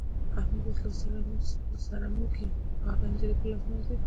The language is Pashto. احمد اوس لاس سره موږي خو هغه نجلۍ په لاس نه ورځي.